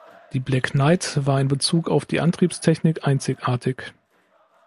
Die Black Knight war in Bezug auf die Antriebstechnik einzigartig.